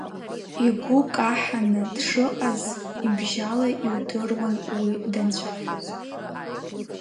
Игәы каҳаны дшыҟаз ибжьала иудыруан уи данцәажәоз.